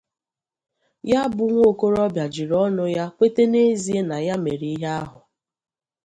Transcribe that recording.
ya bụ nwokorobịa jiri ọnụ ya kweta n'ezie na ya mere ihe ahụ